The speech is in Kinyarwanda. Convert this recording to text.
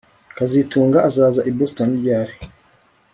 kazitunga azaza i Boston ryari